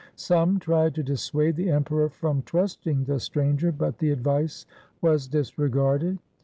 Some tried to dissuade the Emperor from trusting the stranger, but the advice was disregarded.